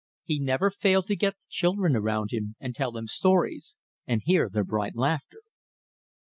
He never failed to get the children around him and tell them stories, and hear their bright laughter.